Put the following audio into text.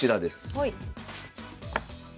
はい。